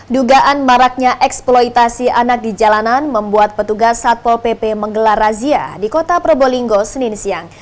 dugaan maraknya eksploitasi anak di jalanan membuat petugas satpol pp menggelar razia di kota probolinggo senin siang